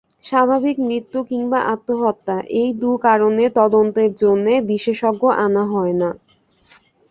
স্বাভাবিক মৃত্যু কিংবা আত্মহত্যা-এই দু কারণে তদন্তের জন্যে বিশেষজ্ঞ আনা হয় না।